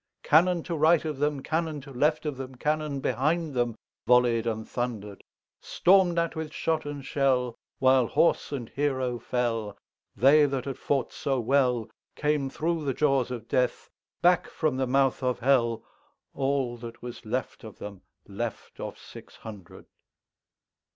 Cannon to right of them, Cannon to left of them, Cannon behind themVolley'd and thunder'd; Storm'd at with shot and shell, While horse and hero fell, They that had fought so wellCame thro' the jaws of Death, Back from the mouth of Hell, All that was left of them, Left of six hundred.